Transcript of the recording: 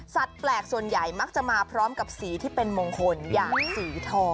แปลกส่วนใหญ่มักจะมาพร้อมกับสีที่เป็นมงคลอย่างสีทอง